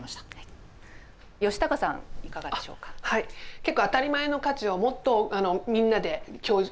結構当たり前の価値をもっとみんなで共有する。